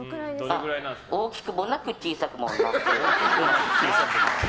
大きくもなく小さくもなく。